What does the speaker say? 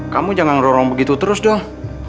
kamu jangan dorong begitu terus dong